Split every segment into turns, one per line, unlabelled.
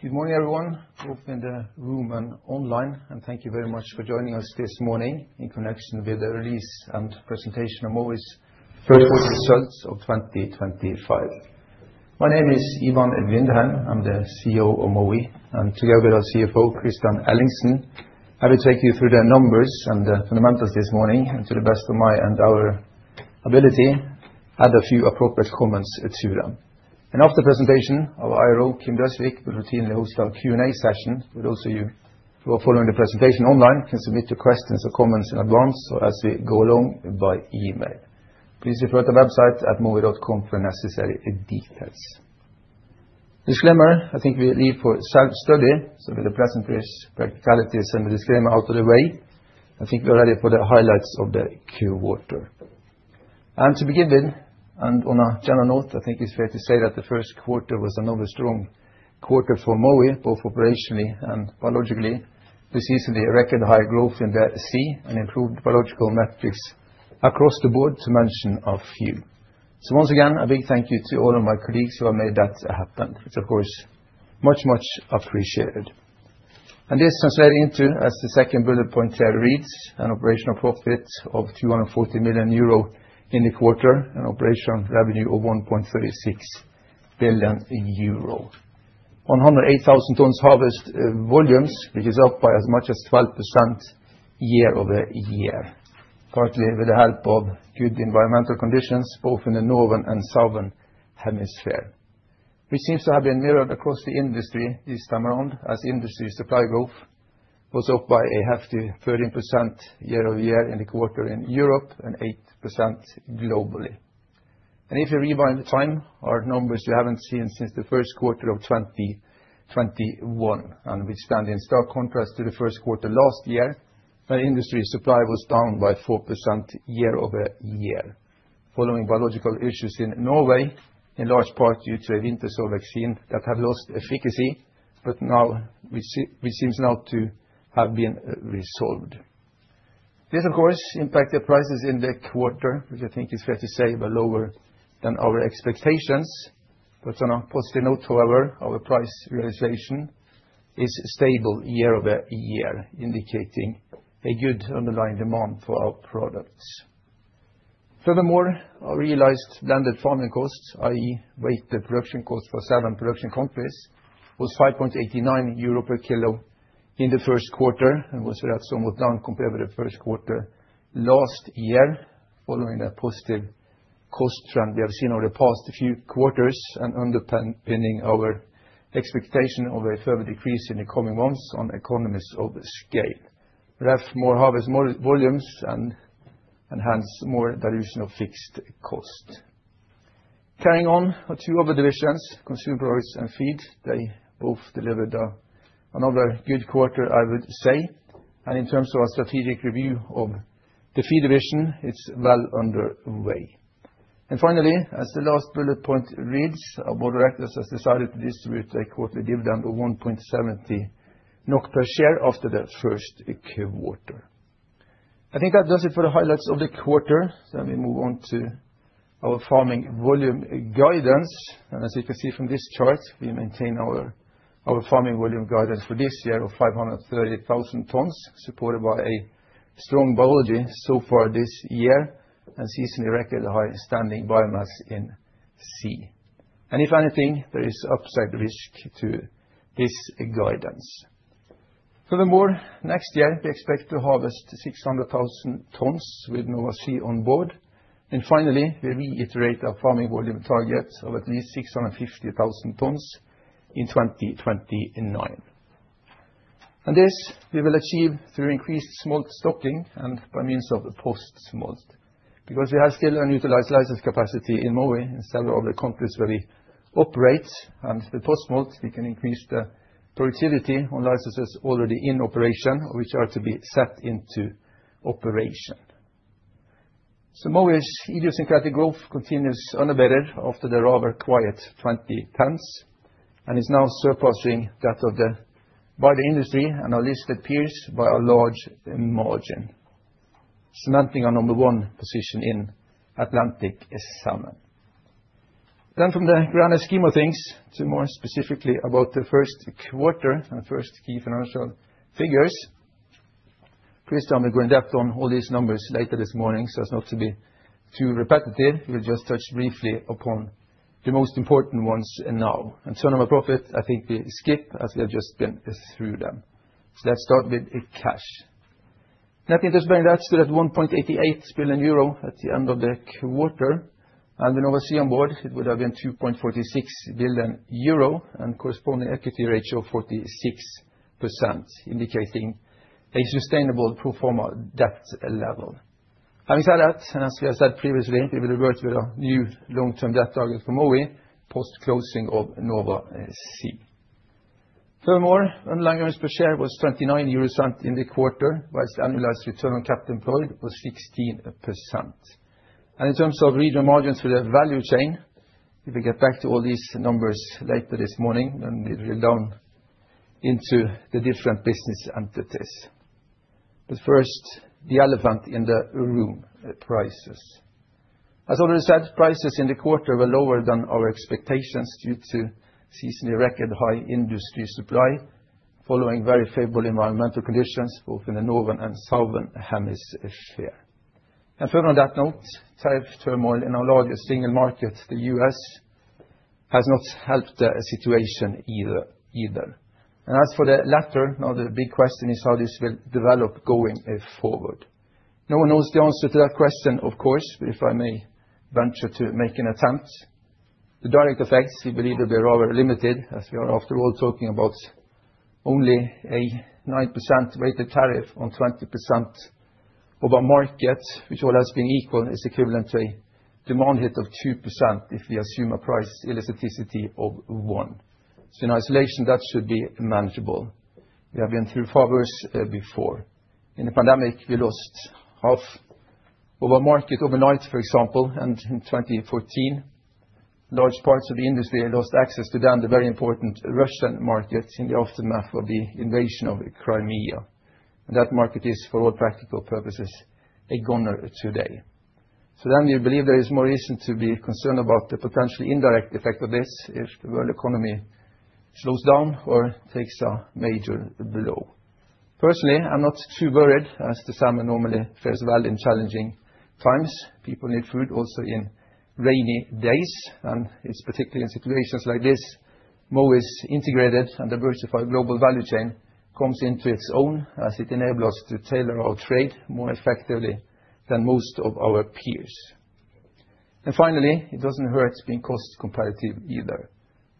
Good morning, everyone, both in the room and online, and thank you very much for joining us this morning in connection with the release and presentation of Mowi's first results of 2025. My name is Ivan Vindheim. I'm the CEO of Mowi, and together with our CFO, Kristian Ellingsen, I will take you through the numbers and fundamentals this morning and to the best of my and our ability, add a few appropriate comments or two then. After presentation, our IO, Kim Galtung Døsvig, will routinely host our Q&A session with also you who are following the presentation online can submit your questions or comments in advance or as we go along by email. Please refer to our website at mowi.com for necessary details. Disclaimer, I think we leave for self-study. With the present practicalities and the disclaimer out of the way, I think we're ready for the highlights of the Q quarter. To begin with, on a general note, I think it's fair to say that the first quarter was another strong quarter for Mowi, both operationally and biologically. We see some record high growth in the sea and improved biological metrics across the board to mention a few. Once again, a big thank you to all of my colleagues who have made that happen. It's of course, much, much appreciated. This translated into, as the second bullet point there reads, an operational profit of 240 million euro in the quarter, an operational revenue of 1.36 billion euro. 108,000 tons harvest volumes, which is up by as much as 12% year-over-year, partly with the help of good environmental conditions, both in the northern and southern hemisphere. Seems to have been mirrored across the industry this time around, as industry supply growth was up by a hefty 13% year-over-year in the quarter in Europe and 8% globally. If you rewind the time, our numbers you haven't seen since the first quarter of 2021. We stand in stark contrast to the first quarter last year, where industry supply was down by 4% year-over-year, following biological issues in Norway, in large part due to a winter sore vaccine that have lost efficacy, which seems now to have been resolved. This, of course, impacted prices in the quarter, which I think is fair to say, were lower than our expectations. On a positive note, however, our price realization is stable year-over-year, indicating a good underlying demand for our products. Our realized landed farming costs, i.e., weighted production costs for seven production countries, was 5.89 euro per kilo in the first quarter and was somewhat down compared with the first quarter last year, following a positive cost trend we have seen over the past few quarters and underpinning our expectation of a further decrease in the coming months on economies of scale. We have more harvest, more volumes, and enhance more dilution of fixed cost. Carrying on are two of the divisions, Consumer Products and Feed. They both delivered another good quarter, I would say. In terms of our strategic review of the feed division, it's well underway. Finally, as the last bullet point reads, our board of directors has decided to distribute a quarterly dividend of 1.70 per share after the first Q quarter. I think that does it for the highlights of the quarter. Let me move on to our farming volume guidance. As you can see from this chart, we maintain our farming volume guidance for this year of 530,000 tons, supported by a strong biology so far this year and seasonally record high standing biomass in sea. If anything, there is upside risk to this guidance. Furthermore, next year, we expect to harvest 600,000 tons with Nova Sea on board. Finally, we reiterate our farming volume targets of at least 650,000 tons in 2029. This we will achieve through increased smolt stocking and by means of a post-smolt. We have still an utilized license capacity in Mowi and several other countries where we operate, and the post-smolt, we can increase the productivity on licenses already in operation, which are to be set into operation. Mowi's idiosyncratic growth continues unabated after the rather quiet 2010s and is now surpassing that of the wider industry and our listed peers by a large margin, cementing our number one position in Atlantic Salmon. From the grander scheme of things, to more specifically about the first quarter and first key financial figures. Kristian will go in-depth on all these numbers later this morning, so as not to be too repetitive. We'll just touch briefly upon the most important ones now. On our profit, I think we skip as we have just been through them. Let's start with cash. Net interest-bearing debt stood at 1.88 billion euro at the end of the quarter. The Nova Sea on board, it would have been 2.46 billion euro and corresponding equity ratio of 46%, indicating a sustainable pro forma debt level. Having said that, and as we have said previously, we will revert to a new long-term debt target for Mowi post-closing of Nova Sea. Furthermore, earnings per share was 29 euros in the quarter, whilst the annualized Return on capital employed was 16%. In terms of regional margins for the value chain, if we get back to all these numbers later this morning, then we'll delve into the different business entities. First, the elephant in the room, prices. As already said, prices in the quarter were lower than our expectations due to seasonally record high industry supply, following very favorable environmental conditions both in the northern and southern hemisphere. Further on that note, tariff turmoil in our largest single market, the U.S., has not helped the situation either. As for the latter, now the big question is how this will develop going forward. No one knows the answer to that question, of course. If I may venture to make an attempt, the direct effects, we believe that they are rather limited, as we are after all talking about only a 9% weighted tariff on 20% of our market, which all has been equal and is equivalent to a demand hit of 2% if we assume a price elasticity of one. In isolation, that should be manageable. We have been through far worse before. In the pandemic, we lost half of our market overnight, for example, and in 2014, large parts of the industry had lost access to then the very important Russian market in the aftermath of the invasion of Crimea. That market is, for all practical purposes, a goner today. We believe there is more reason to be concerned about the potentially indirect effect of this if the world economy slows down or takes a major blow. Personally, I'm not too worried as the salmon normally fares well in challenging times. People need food also in rainy days, and it's particularly in situations like this, Mowi's integrated and diversified global value chain comes into its own as it enable us to tailor our trade more effectively than most of our peers. Finally, it doesn't hurt being cost competitive either,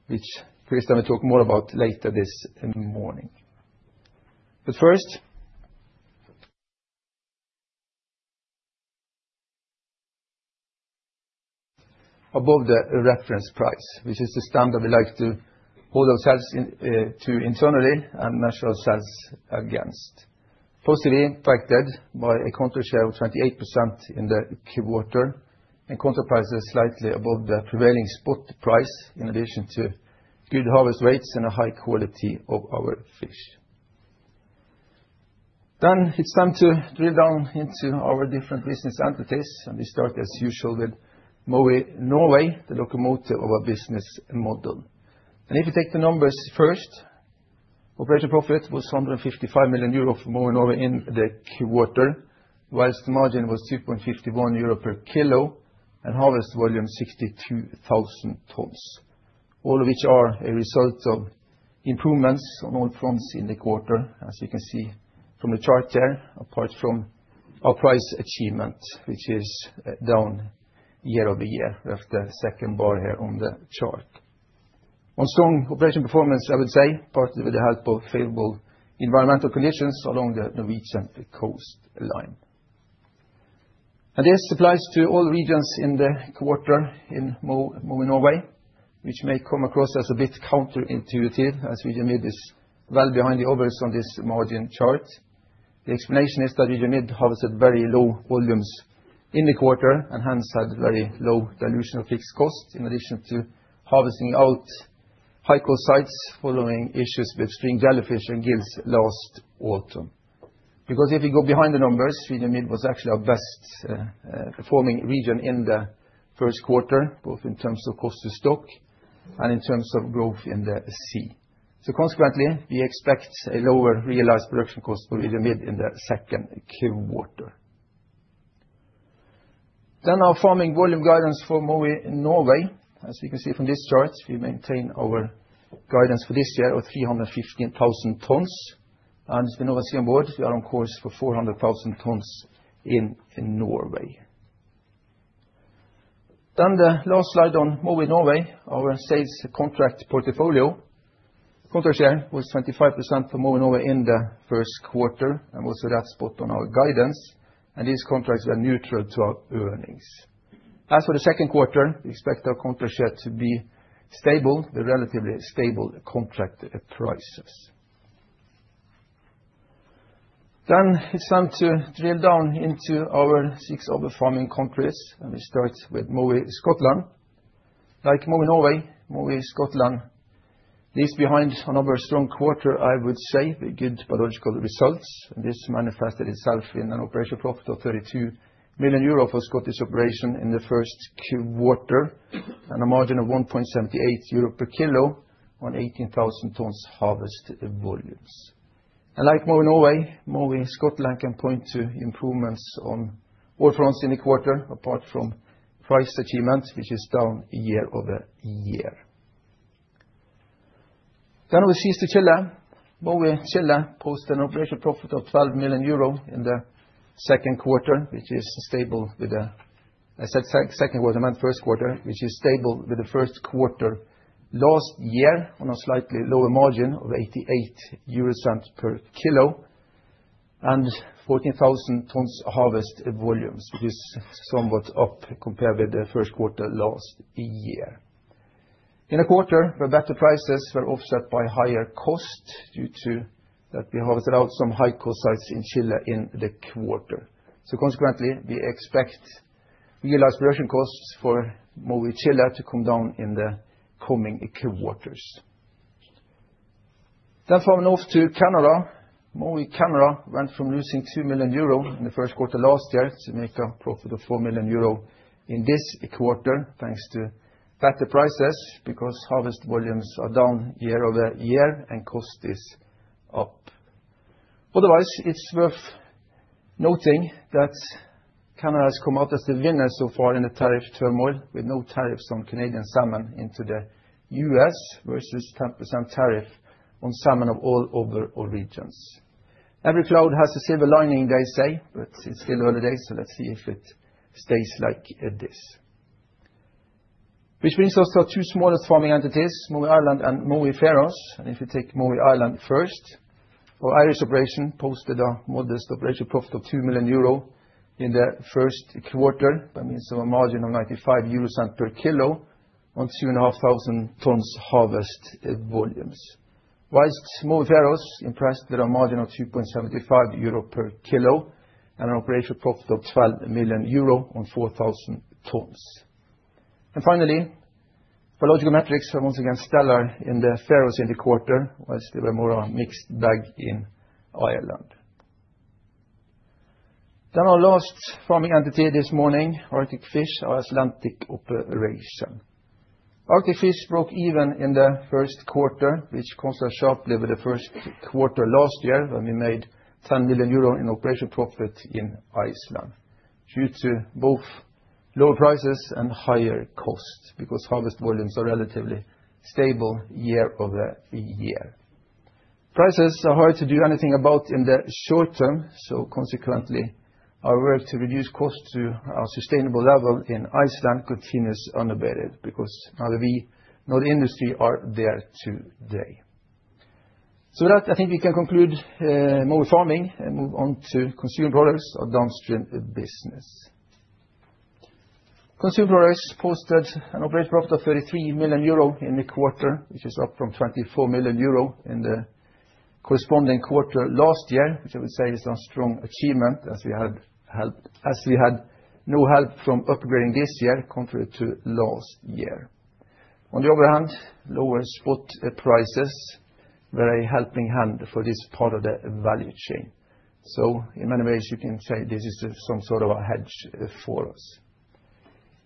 which Kristian will talk more about later this morning. Above the reference price, which is the standard we like to hold ourselves in, to internally and measure ourselves against. Positively impacted by a contract share of 28% in the Q quarter and contract prices slightly above the prevailing spot price, in addition to good harvest rates and a high quality of our fish. It's time to drill down into our different business entities, and we start, as usual, with Mowi Norway, the locomotive of our business model. If you take the numbers first, operating profit was 155 million euro for Mowi Norway in the Q quarter, whilst the margin was 2.51 euro per kilo and harvest volume 62,000 tons, all of which are a result of improvements on all fronts in the quarter, as you can see from the chart there, apart from our price achievement, which is down year-over-year. We have the second bar here on the chart. On strong operation performance, I would say, partly with the help of favorable environmental conditions along the Norwegian coastline. This applies to all regions in the quarter in Mowi Norway, which may come across as a bit counter-intuitive, as Region Mid is well behind the others on this margin chart. The explanation is that Region Mid harvests very low volumes in the quarter and hence had very low dilution of fixed costs in addition to harvesting out high cost sites following issues with string jellyfish and gills last autumn. If you go behind the numbers, Region Mid was actually our best performing region in the first quarter, both in terms of cost to stock and in terms of growth in the sea. Consequently, we expect a lower realized production cost for Region Mid in the second Q quarter. Our farming volume guidance for Mowi Norway. As you can see from this chart, we maintain our guidance for this year of 315,000 tons. With Nova Sea on board, we are on course for 400,000 tons in Norway. The last slide on Mowi Norway, our sales contract portfolio. Contract share was 25% for Mowi Norway in the first quarter, and also that's spot on our guidance, and these contracts were neutral to our earnings. The second quarter, we expect our contract share to be stable with relatively stable contract prices. It's time to drill down into our 6 other farming countries, and we start with Mowi Scotland. Like Mowi Norway, Mowi Scotland leaves behind another strong quarter, I would say, with good biological results. This manifested itself in an operational profit of 32 million euro for Scottish operation in the first Q quarter, and a margin of 1.78 euro per kilo on 18,000 tons harvest volumes. Like Mowi Norway, Mowi Scotland can point to improvements on all fronts in the quarter, apart from price achievement, which is down year-over-year. We cease to Chile. Mowi Chile posts an operational profit of 12 million euro in the second quarter, which is stable with the I said second quarter, I meant first quarter, which is stable with the first quarter last year on a slightly lower margin of 0.88 per kilo and 14,000 tons harvest volumes, which is somewhat up compared with the first quarter last year. In a quarter, where better prices were offset by higher costs due to that we harvested out some high cost sites in Chile in the quarter. Consequently, we expect realized production costs for Mowi Chile to come down in the coming Q quarters. Farming off to Canada. Mowi Canada went from losing 2 million euro in the first quarter last year to make a profit of 4 million euro in this quarter, thanks to fatter prices because harvest volumes are down year-over-year and cost is up. Otherwise, it's worth noting that Canada has come out as the winner so far in the tariff turmoil, with no tariffs on Canadian salmon into the U.S. versus 10% tariff on salmon of all other regions. Every cloud has a silver lining, they say. It's still early days. Let's see if it stays like this. Which brings us to two smallest farming entities, Mowi Ireland and Mowi Faroes. If you take Mowi Ireland first, our Irish operation posted a modest operational profit of 2 million euro in the first quarter by means of a margin of 0.95 per kilo on 2,500 tons harvest volumes. Whilst Mowi Faroes impressed with a margin of 2.75 euro per kilo and an operational profit of 12 million euro on 4,000 tons. Finally, biological metrics are once again stellar in the Faroes in the quarter, whilst they were more a mixed bag in Ireland. Our last farming entity this morning, Arctic Fish, our Atlantic operation. Arctic Fish broke even in the first quarter, which contrasts sharply with the first quarter last year when we made 10 million euro in operational profit in Iceland due to both lower prices and higher costs because harvest volumes are relatively stable year-over-year. Consequently, our work to reduce costs to our sustainable level in Iceland continues unabated because neither we nor the industry are there today. With that, I think we can conclude Mowi Farming and move on to Consumer Products, our downstream business. Consumer Products posted an operating profit of 33 million euro in the quarter, which is up from 24 million euro in the corresponding quarter last year, which I would say is a strong achievement as we had no help from upgrading this year compared to last year. On the other hand, lower spot prices were a helping hand for this part of the value chain. In many ways you can say this is some sort of a hedge for us.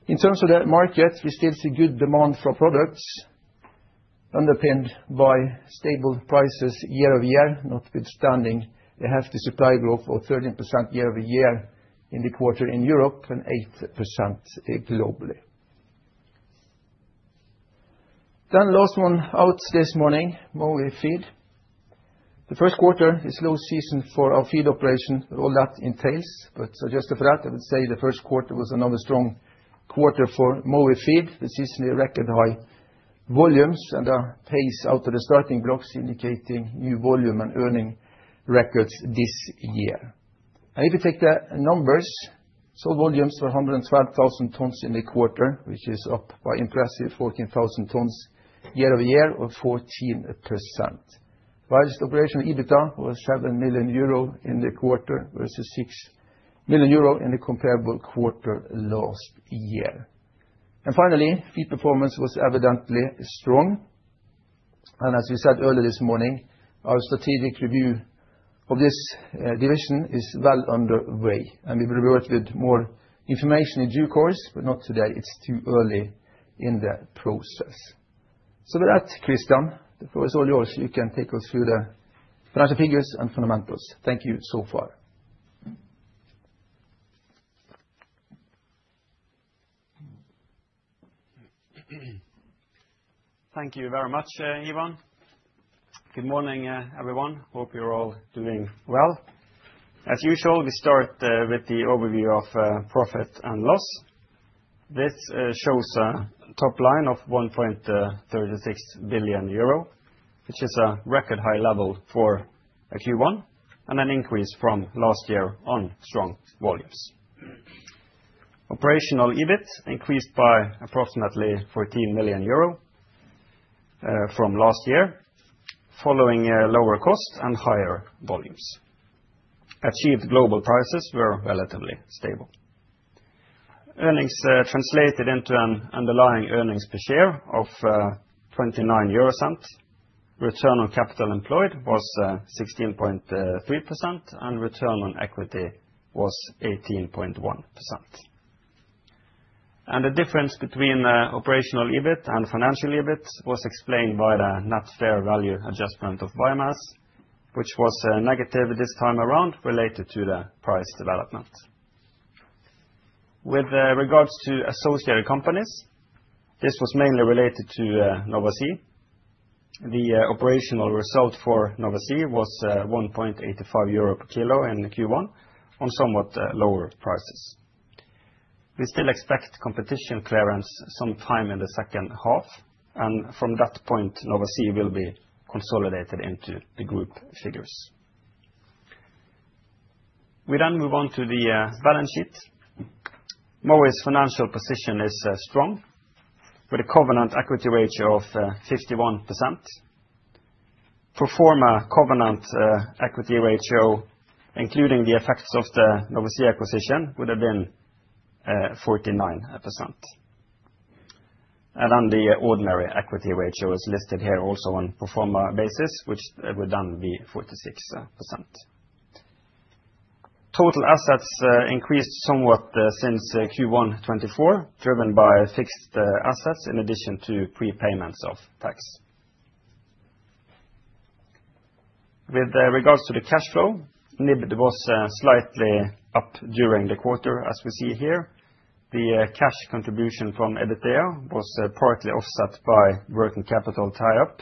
In terms of the market, we still see good demand for our products underpinned by stable prices year-over-year, notwithstanding a hefty supply growth of 13% year-over-year in the quarter in Europe and 8% globally. Last one out this morning, Mowi Feed. The first quarter is low season for our feed operation with all that entails. Adjusted for that, I would say the first quarter was another strong quarter for Mowi Feed with seasonally record high volumes and a pace out of the starting blocks indicating new volume and earning records this year. If you take the numbers, sold volumes were 112,000 tons in the quarter, which is up by impressive 14,000 tons year-over-year or 14%, whilst operational EBIT was 7 million euro in the quarter versus 6 million euro in the comparable quarter last year. Finally, feed performance was evidently strong. As we said earlier this morning, our strategic review of this division is well underway and we will revert with more information in due course, but not today. It's too early in the process. With that, Kristian, the floor is all yours. You can take us through the financial figures and fundamentals. Thank you so far.
Thank you very much, Ivan. Good morning, everyone. Hope you're all doing well. As usual, we start with the overview of profit and loss. This shows a top line of 1.36 billion euro, which is a record high level for a Q1 and an increase from last year on strong volumes. Operational EBIT increased by approximately 14 million euro from last year following lower costs and higher volumes. Achieved global prices were relatively stable. Earnings translated into an underlying earnings per share of 0.29. Return on capital employed was 16.3%, and Return on equity was 18.1%. The difference between the operational EBIT and financial EBIT was explained by the net fair value adjustment of biomass, which was negative this time around related to the price development. With regards to associated companies, this was mainly related to Nova Sea. The operational result for Nova Sea was 1.85 euro per kilo in Q1 on somewhat lower prices. We still expect competition clearance sometime in the second half, and from that point, Nova Sea will be consolidated into the group figures. We move on to the balance sheet. Mowi's financial position is strong with a covenant equity ratio of 51%. Pro forma covenant equity ratio, including the effects of the Nova Sea acquisition, would have been 49%. The ordinary equity ratio is listed here also on performer basis, which would then be 46%. Total assets increased somewhat since Q1 2024, driven by fixed assets in addition to prepayments of tax. With regards to the cash flow, NIBD was slightly up during the quarter, as we see here. The cash contribution from EBITDA was partly offset by working capital tie-up,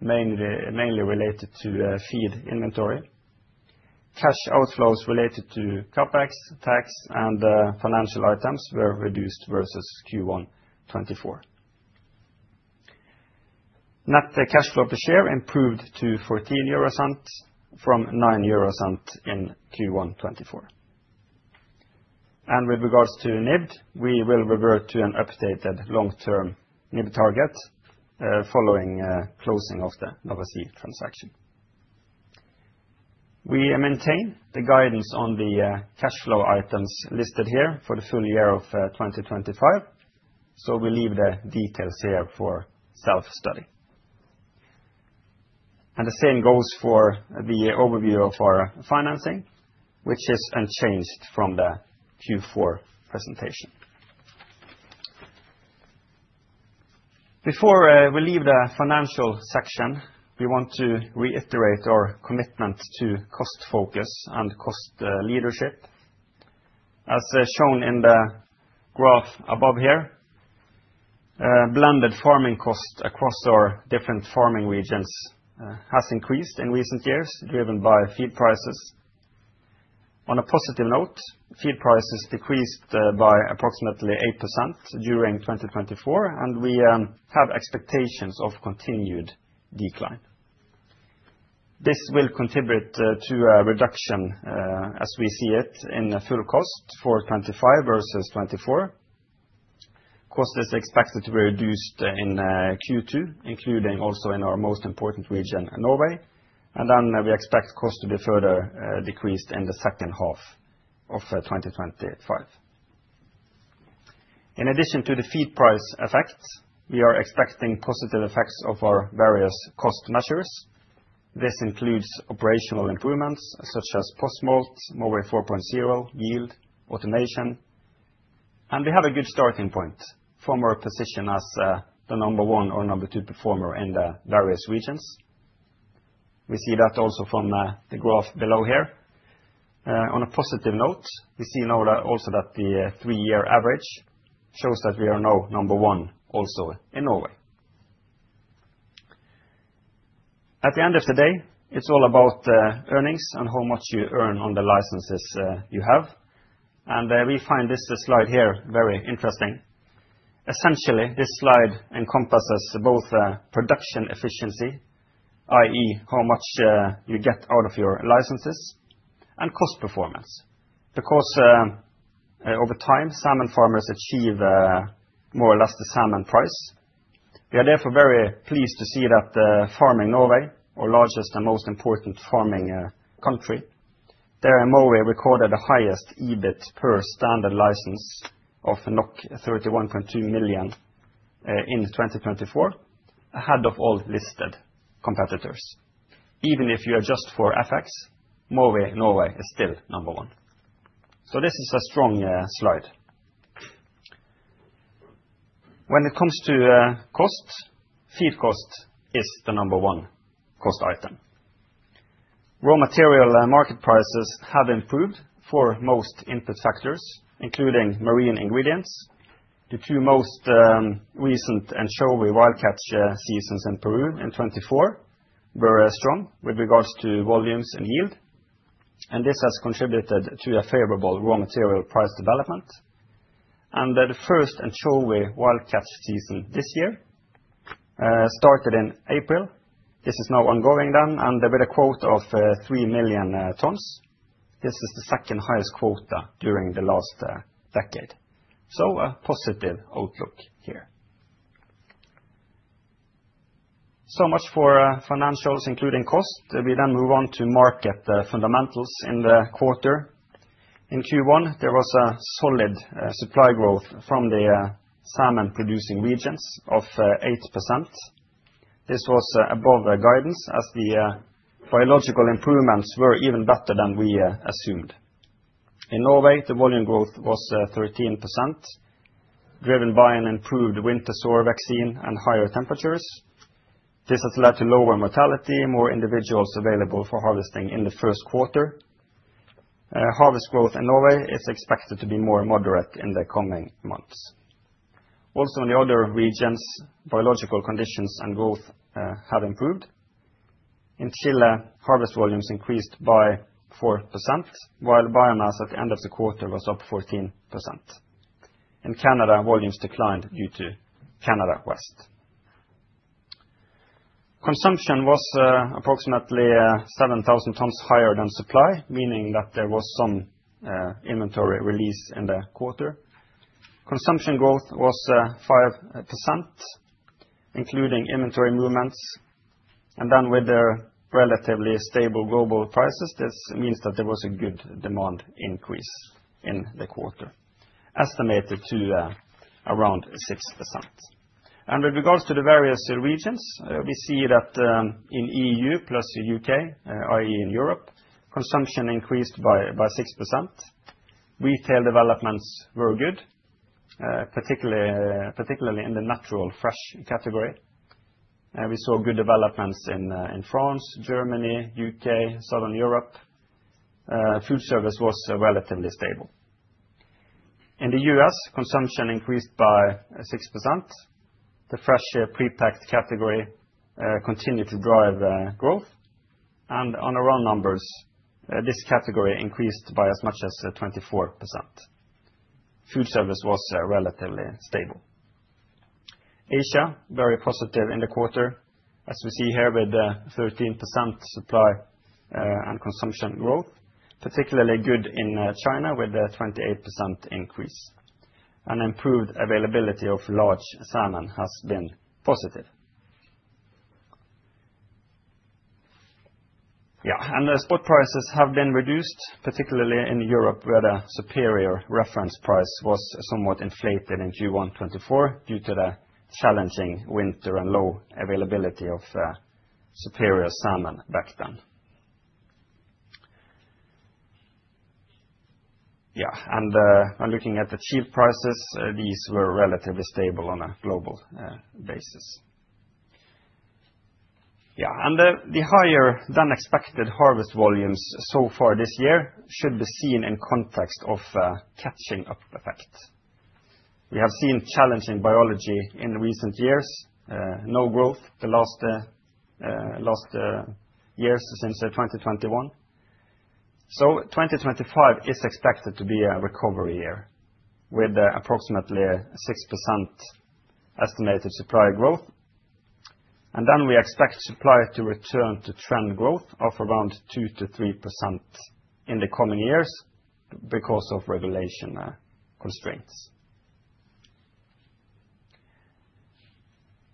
mainly related to feed inventory. Cash outflows related to CapEx, tax and financial items were reduced versus Q1 2024. Net cash flow per share improved to 0.14 from 0.09 in Q1 2024. With regards to NIBD, we will revert to an updated long-term NIBD target following closing of the Nova Sea transaction. We maintain the guidance on the cash flow items listed here for the full year of 2025, so we leave the details here for self-study. The same goes for the overview of our financing, which is unchanged from the Q4 presentation. Before we leave the financial section, we want to reiterate our commitment to cost focus and cost leadership. As shown in the graph above here, blended farming costs across our different farming regions has increased in recent years, driven by feed prices. On a positive note, feed prices decreased by approximately 8% during 2024, and we have expectations of continued decline. This will contribute to a reduction as we see it in the full cost for 2025 versus 2024. Cost is expected to be reduced in Q2, including also in our most important region, Norway. We expect cost to be further decreased in the second half of 2025. In addition to the feed price effects, we are expecting positive effects of our various cost measures. This includes operational improvements such as post-smolt, Mowi 4.0, yield, automation. We have a good starting point from our position as the number one or number two performer in the various regions. We see that also from the graph below here. On a positive note, we see now that also that the three-year average shows that we are now number one also in Norway. At the end of the day, it's all about earnings and how much you earn on the licenses you have. We find this slide here very interesting. Essentially, this slide encompasses both production efficiency, i.e., how much you get out of your licenses, and cost performance. The cost over time, salmon farmers achieve more or less the salmon price. We are therefore very pleased to see that farming Norway, our largest and most important farming country, there Mowi recorded the highest EBIT per standard license of 31.2 million in 2024, ahead of all listed competitors. Even if you adjust for FX, Mowi Norway is still number one. This is a strong slide. When it comes to cost, feed cost is the number one cost item. Raw material market prices have improved for most input factors, including marine ingredients. The two most recent anchovy wild catch seasons in Peru in 2024 were strong with regards to volumes and yield, and this has contributed to a favorable raw material price development. The first anchovy wild catch season this year started in April. This is now ongoing then and with a quota of 3 million tons. This is the second highest quota during the last decade. A positive outlook here. Much for financials, including cost. We move on to market fundamentals in the quarter. In Q1, there was a solid supply growth from the salmon-producing regions of 8%. This was above the guidance as the biological improvements were even better than we assumed. In Norway, the volume growth was 13%, driven by an improved winter sore vaccine and higher temperatures. This has led to lower mortality, more individuals available for harvesting in the first quarter. Harvest growth in Norway is expected to be more moderate in the coming months. Also in the other regions, biological conditions and growth have improved. In Chile, harvest volumes increased by 4%, while biomass at the end of the quarter was up 14%. In Canada, volumes declined due to Canada West. Consumption was approximately 7,000 tons higher than supply, meaning that there was some inventory release in the quarter. Consumption growth was 5%. Including inventory movements. With the relatively stable global prices, this means that there was a good demand increase in the quarter, estimated to around 6%. With regards to the various regions, we see that in E.U. plus U.K., i.e. in Europe, consumption increased by 6%. Retail developments were good, particularly in the natural fresh category. We saw good developments in France, Germany, U.K., Southern Europe. Food service was relatively stable. In the U.S., consumption increased by 6%. The fresh pre-packed category continued to drive growth. On the raw numbers, this category increased by as much as 24%. Food service was relatively stable. Asia, very positive in the quarter, as we see here with the 13% supply and consumption growth, particularly good in China with the 28% increase. An improved availability of large salmon has been positive. The spot prices have been reduced, particularly in Europe, where the Superior reference price was somewhat inflated in Q1 2024 due to the challenging winter and low availability of superior salmon back then. Looking at the chief prices, these were relatively stable on a global basis. The higher-than-expected harvest volumes so far this year should be seen in context of catching-up effect. We have seen challenging biology in recent years, no growth the last years since 2021. 2025 is expected to be a recovery year with approximately 6% estimated supply growth. We expect supply to return to trend growth of around 2%-3% in the coming years because of regulation constraints.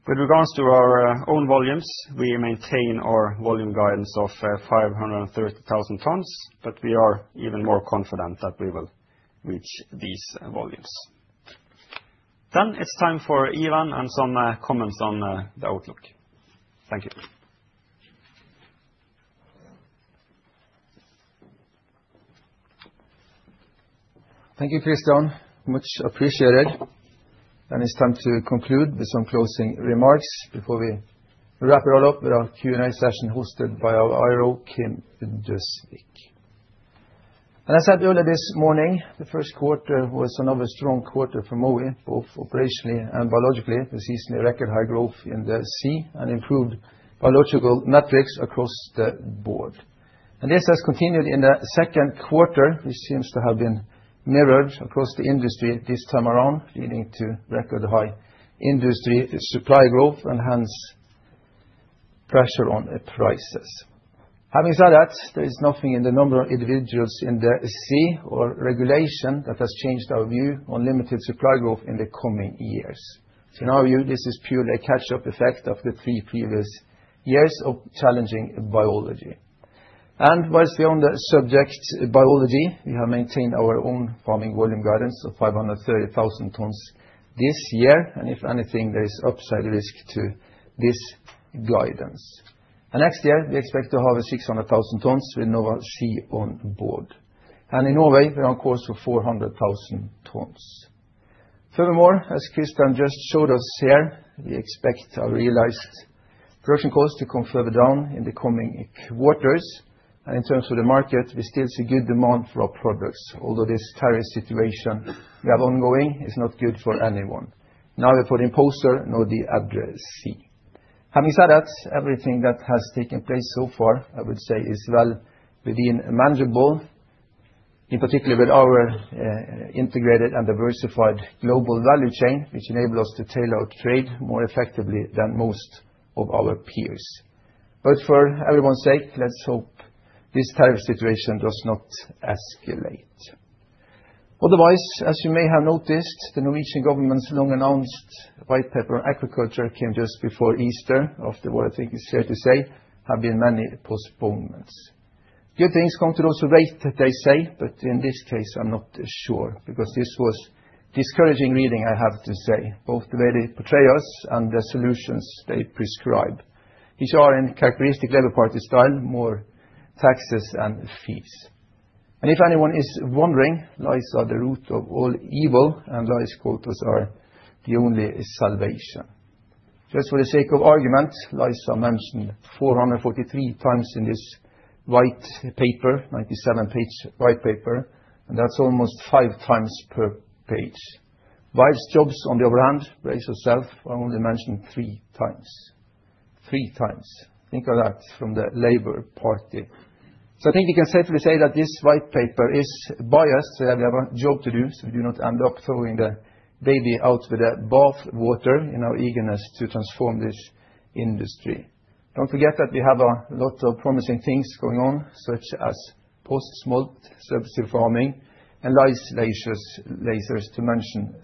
With regards to our own volumes, we maintain our volume guidance of 530,000 tons, but we are even more confident that we will reach these volumes. It's time for Ivan and some comments on the outlook. Thank you.
Thank you, Kristian. Much appreciated. It's time to conclude with some closing remarks before we wrap it all up with our Q&A session hosted by our IR, Kim Galtung Døsvig. I said earlier this morning, the first quarter was another strong quarter for Mowi, both operationally and biologically, with seasonally record high growth in the sea and improved biological metrics across the board. This has continued in the second quarter, which seems to have been mirrored across the industry this time around, leading to record high industry supply growth and hence pressure on the prices. Having said that, there is nothing in the number of individuals in the sea or regulation that has changed our view on limited supply growth in the coming years. In our view, this is purely a catch-up effect of the three previous years of challenging biology. Whilst we're on the subject biology, we have maintained our own farming volume guidance of 530,000 tons this year. If anything, there is upside risk to this guidance. Next year, we expect to have 600,000 tons with Nova Sea on board. In Norway, we're on course for 400,000 tons. Furthermore, as Kristian just showed us here, we expect our realized production costs to come further down in the coming quarters. In terms of the market, we still see good demand for our products, although this tariff situation we have ongoing is not good for anyone, neither for the importer nor the addressee. Having said that, everything that has taken place so far, I would say, is well within manageable, in particular with our integrated and diversified global value chain, which enable us to tailor our trade more effectively than most of our peers. For everyone's sake, let's hope this tariff situation does not escalate. Otherwise, as you may have noticed, the Norwegian government's long-announced white paper on agriculture came just before Easter after what I think is fair to say have been many postponements. Good things come to those who wait, they say, but in this case, I'm not sure, because this was discouraging reading, I have to say, both the way they portray us and the solutions they prescribe. These are in characteristic Labour Party style, more taxes and fees. If anyone is wondering, lice are the root of all evil, and lice quotas are the only salvation. Just for the sake of argument, lice are mentioned 443x in this white paper, 97-page white paper, and that's almost 5x per page. While jobs on the other hand, brace yourself, are only mentioned 3x. 3x. Think of that from the Labour Party. I think you can safely say that this white paper is biased, so we have a job to do, so we do not end up throwing the baby out with the bath water in our eagerness to transform this industry. Don't forget that we have a lot of promising things going on, such as postsmolt, precision farming, and lice lasers, to mention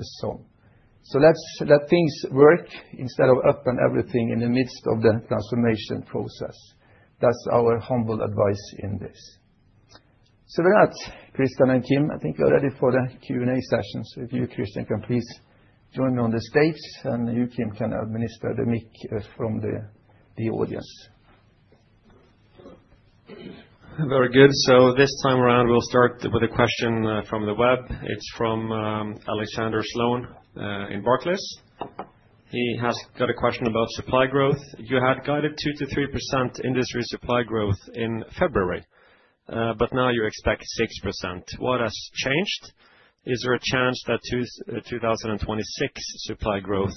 some. Let's let things work instead of upending everything in the midst of the transformation process. That's our humble advice in this. With that, Kristian and Kim, I think we are ready for the Q&A session. If you, Kristian, can please join me on the stage, and you, Kim, can administer the mic from the audience.
Very good. This time around, we'll start with a question from the web. It's from Alexander Sloane in Barclays. He has got a question about supply growth. You had guided 2%-3% industry supply growth in February, but now you expect 6%. What has changed? Is there a chance that 2026 supply growth,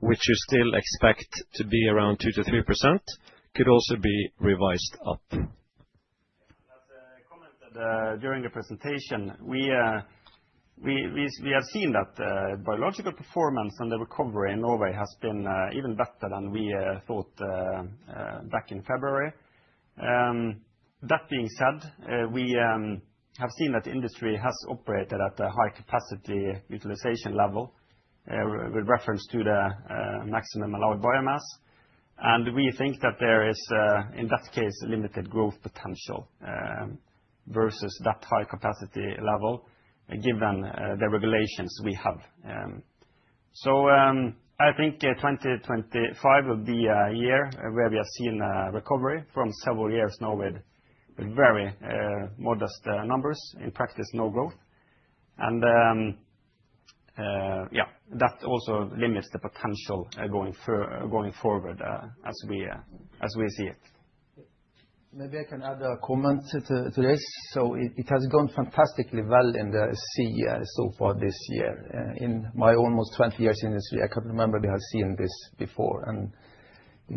which you still expect to be around 2%-3% could also be revised up?
As I commented during the presentation, we have seen that biological performance and the recovery in Norway has been even better than we thought back in February. That being said, we have seen that the industry has operated at a high-capacity utilization level with reference to the Maximum Allowed Biomass. We think that there is in that case, limited growth potential versus that high-capacity level given the regulations we have. I think 2025 will be a year where we are seeing a recovery from several years now with very modest numbers, in practice, no growth. Yeah, that also limits the potential going forward as we as we see it.
Maybe I can add a comment to this. It has gone fantastically well in the sea so far this year. In my almost 20 years in this, I can't remember we have seen this before. In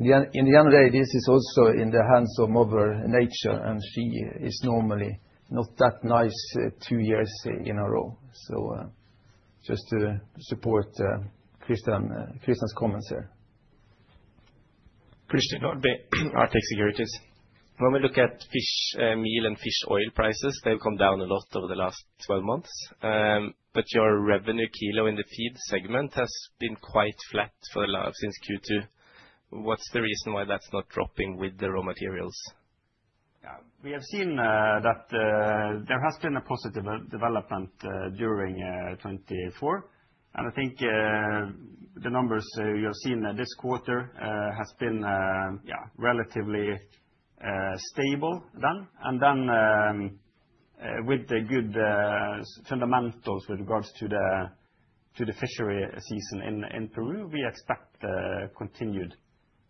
the end of the day, this is also in the hands of Mother Nature, and she is normally not that nice two years in a row. Just to support Kristian's comments here.
Christian Nordby, Arctic Securities. When we look at fish meal and fish oil prices, they've come down a lot over the last 12 months. Your revenue kilo in the feed segment has been quite flat since Q2. What's the reason why that's not dropping with the raw materials?
We have seen that there has been a positive development during 2024. I think the numbers you have seen this quarter has been relatively stable then. With the good fundamentals with regards to the fishery season in Peru, we expect continued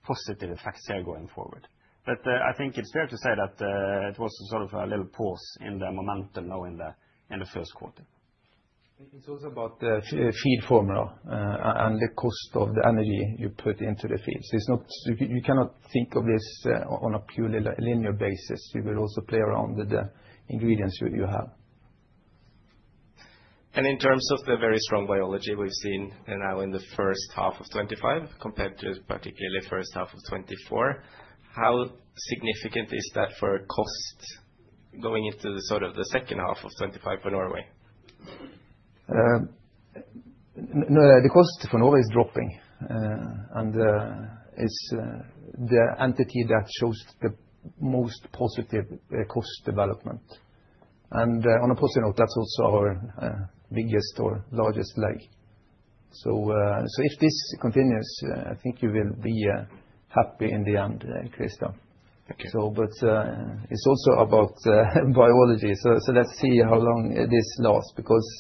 positive effects there going forward. I think it's fair to say that it was sort of a little pause in the momentum now in the first quarter.
It's also about the feed formula, and the cost of the energy you put into the feeds. You cannot think of this on a purely linear basis. You will also play around with the ingredients you have.
In terms of the very strong biology we've seen now in the first half of 2025 compared to particularly first half of 2024, how significant is that for cost going into the sort of the second half of 2025 for Norway?
No, the cost for Norway is dropping. It's the entity that shows the most positive cost development. On a personal note, that's also our biggest or largest lag. If this continues, I think you will be happy in the end, Kristian.
Okay.
It's also about, biology. Let's see how long this lasts.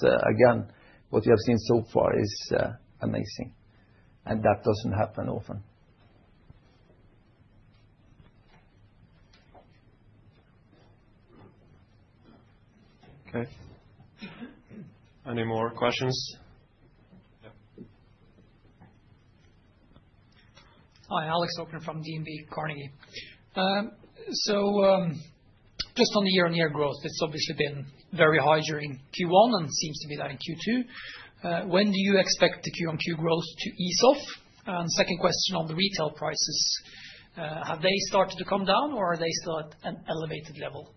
Again, what we have seen so far is, amazing, and that doesn't happen often.
Okay. Any more questions? Yeah.
Hi, Alexander Aukner from DNB Markets. Just on the year-on-year growth, it's obviously been very high during Q1 and seems to be that in Q2. When do you expect the Q-on-Q growth to ease off? Second question on the retail prices, have they started to come down, or are they still at an elevated level?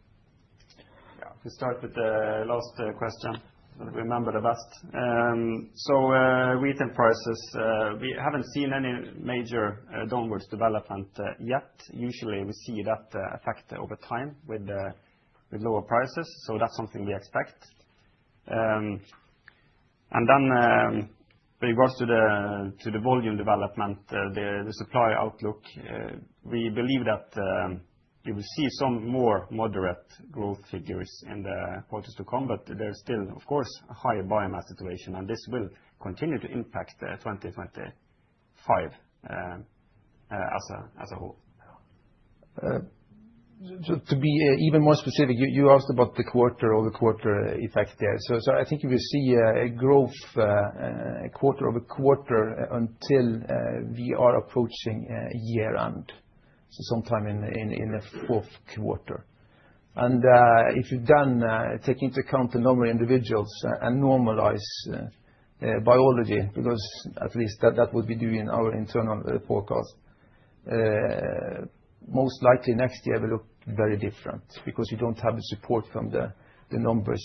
Yeah. To start with the last question, I remember the best. Retail prices, we haven't seen any major downwards development yet. Usually, we see that effect over time with lower prices, so that's something we expect. Then, regards to the volume development, the supply outlook, we believe that you will see some more moderate growth figures in the quarters to come. There's still, of course, a high biomass situation, and this will continue to impact the 2025 as a whole.
To be even more specific, you asked about the quarter-over-quarter effect there. I think if you see a growth quarter-over-quarter until we are approaching year-end. Sometime in the fourth quarter. If you then take into account the number of individuals and normalize biology, because at least that would be doing our internal forecast. Most likely next year will look very different, because you don't have the support from the numbers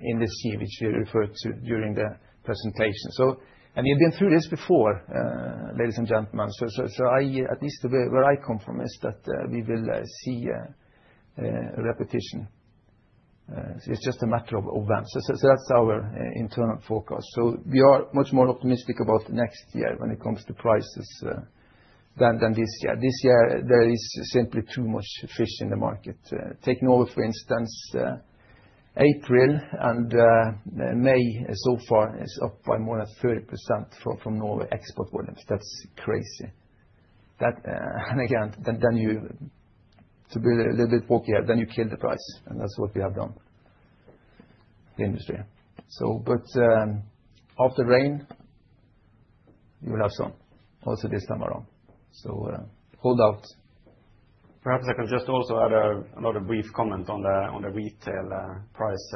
in this year, which you referred to during the presentation. You've been through this before, ladies and gentlemen. I, at least where I come from, is that we will see a repetition. It's just a matter of events. That's our internal forecast. We are much more optimistic about next year when it comes to prices than this year. This year, there is simply too much fish in the market. Taking all, for instance, April and May so far is up by more than 30% from Norway export volumes. That's crazy. To be a little bit pokier, then you kill the price, and that's what we have done, the industry. After rain, you will have sun, also this time around. Hold out.
Perhaps I can just also add another brief comment on the, on the retail price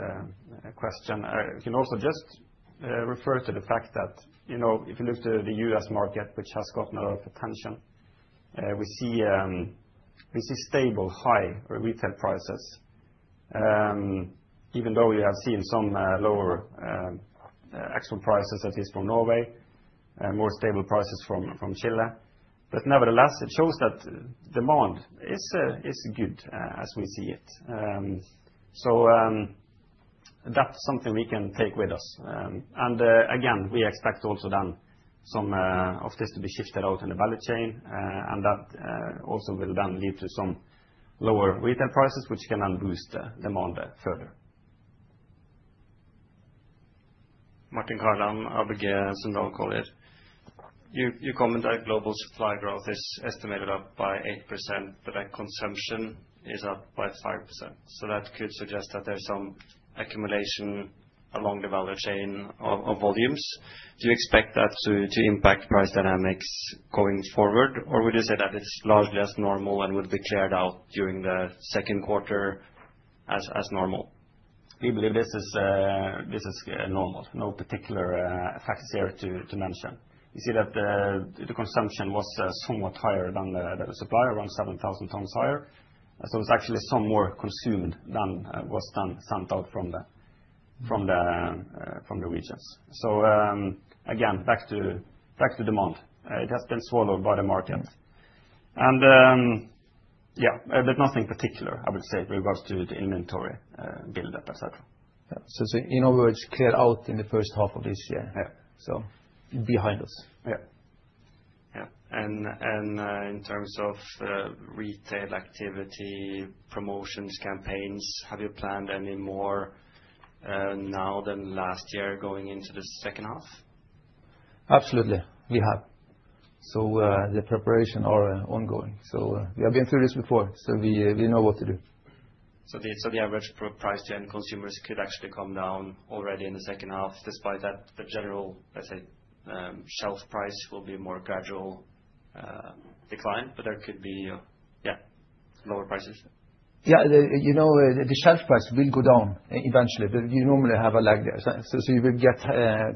question. You can also just refer to the fact that, you know, if you look to the U.S. market, which has gotten a lot of attention, we see stable high retail prices. Even though we have seen some lower actual prices, at least from Norway, more stable prices from Chile. Nevertheless, it shows that demand is good as we see it. That's something we can take with us. Again, we expect also then some of this to be shifted out in the value chain, and that also will then lead to some lower retail prices, which can then boost demand further.
You comment that global supply growth is estimated up by 8%, but that consumption is up by 5%. That could suggest that there's some accumulation along the value chain of volumes. Do you expect that to impact price dynamics going forward? Or would you say that it's largely as normal and will be cleared out during the second quarter as normal?
We believe this is normal. No particular facts here to mention. You see that the consumption was somewhat higher than the supply, around 7,000 tons higher. it's actually some more consumed than was sent out from the regions. Again, back to demand. It has been swallowed by the market. Yeah, but nothing particular, I would say, with regards to the inventory build-up, et cetera.
Yeah. In other words, cleared out in the first half of this year.
Yeah.
Behind us.
Yeah.
Yeah. In terms of retail activity, promotions, campaigns, have you planned any more now than last year going into the second half?
Absolutely, we have. The preparation are ongoing. We have been through this before, so we know what to do.
The average price to end consumers could actually come down already in the second half, despite that the general, let's say, shelf price will be more gradual, decline, but there could be, yeah, lower prices.
Yeah. You know, the shelf price will go down eventually, but you normally have a lag there. You will get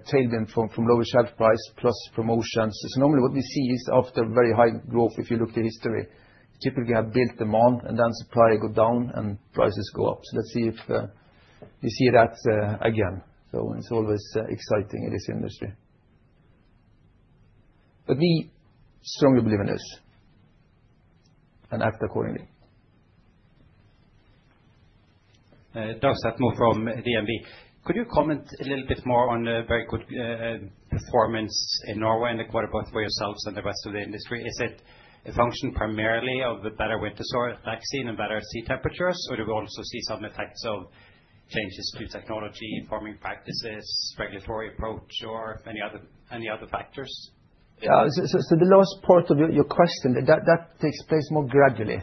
tailwind from lower shelf price plus promotions. Normally what we see is after very high growth, if you look at history, typically have built demand and then supply go down and prices go up. Let's see if we see that again. It's always exciting in this industry. We strongly believe in this and act accordingly.
Knut Ivar Bakken from DNB. Could you comment a little bit more on the very good performance in Norway in the quarter, both for yourselves and the rest of the industry? Is it a function primarily of the better winter sore vaccine and better sea temperatures, or do we also see some effects of changes to technology, farming practices, regulatory approach, or any other factors?
Yeah. The last part of your question, that takes place more gradually.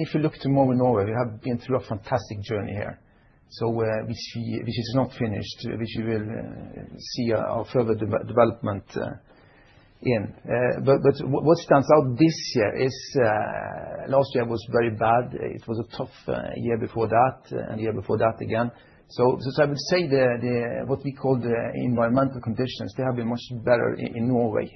If you look to Norway, we have been through a fantastic journey here, so which is not finished, which we will see our further development in. What stands out this year is last year was very bad. It was a tough year before that and the year before that again. I would say the what we call the environmental conditions, they have been much better in Norway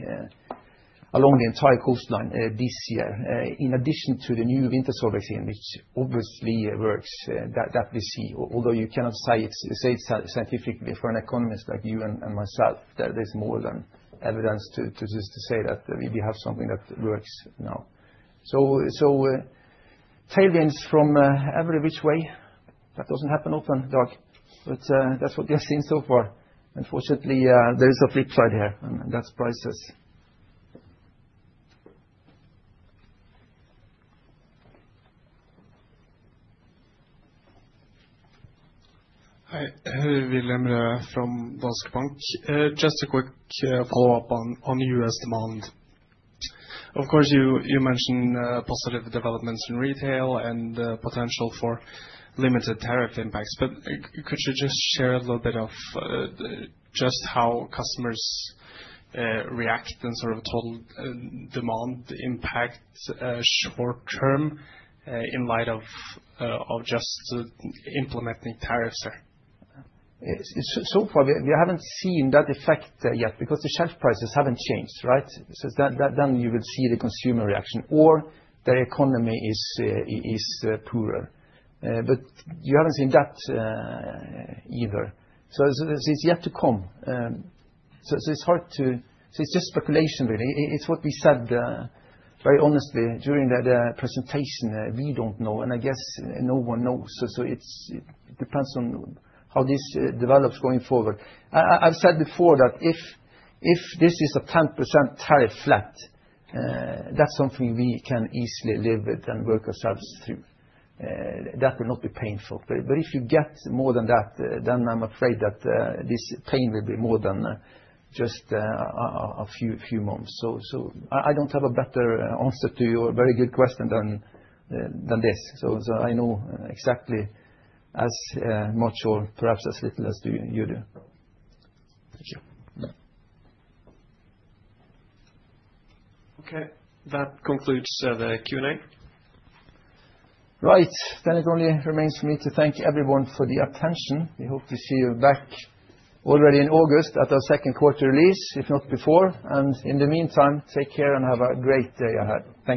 along the entire coastline this year, in addition to the new winter sore vaccine, which obviously works, that we see. Although you cannot say scientifically for an economist like you and myself, there is more than evidence to just to say that we have something that works now. Tailwinds from every which way, that doesn't happen often, though, but that's what we have seen so far. Unfortunately, there is a flip side here, and that's prices.
Hi. William Rø from Danske Bank. Just a quick follow-up on U.S. demand. Of course, you mentioned positive developments in retail and potential for limited tariff impacts. Could you just share a little bit of just how customers react in sort of total demand impact short-term in light of just implementing tariffs there?
Far, we haven't seen that effect yet because the shelf prices haven't changed, right? Then, then you will see the consumer reaction, or the economy is poorer. But you haven't seen that either. It's yet to come. It's hard to. It's just speculation, really. It's what we said very honestly during the presentation, we don't know, and I guess no one knows. It's, it depends on how this develops going forward. I've said before that if this is a 10% tariff flat, that's something we can easily live with and work ourselves through. That will not be painful. If you get more than that, then I'm afraid that this pain will be more than just a few months. I don't have a better answer to your very good question than this. I know exactly as much or perhaps as little as you do.
Thank you.
Yeah.
Okay, that concludes the Q&A.
Right. It only remains for me to thank everyone for the attention. We hope to see you back already in August at our second quarter release, if not before. In the meantime, take care and have a great day ahead. Thank you.